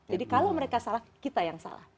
jadi kalau mereka salah kita yang salah